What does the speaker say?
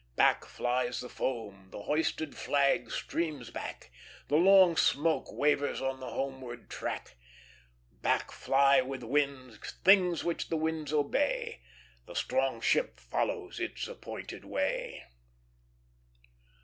Back flies the foam; the hoisted flag streams back; The long smoke wavers on the homeward track. Back fly with winds things which the winds obey, The strong ship follows its appointed way."